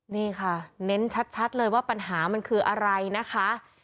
นี่ค่ะเน้นชัดเลยว่าปัญหามันคืออะไรนะคะ